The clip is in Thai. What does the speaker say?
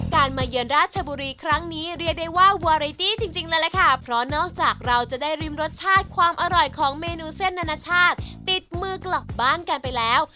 มาเยือนราชบุรีครั้งนี้เรียกได้ว่าวาริตี้จริงเลยล่ะค่ะเพราะนอกจากเราจะได้ริมรสชาติความอร่อยของเมนูเส้นนานาชาติติดมือกลับบ้านกันไปแล้ว